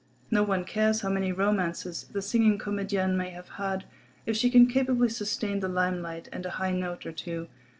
No one cares how many romances the singing comédienne may have had if she can capably sustain the limelight and a high note or two.